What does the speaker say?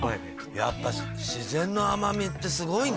やっぱ自然の甘みってすごいね。